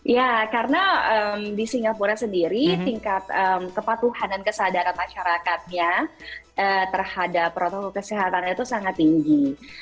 ya karena di singapura sendiri tingkat kepatuhan dan kesadaran masyarakatnya terhadap protokol kesehatan itu sangat tinggi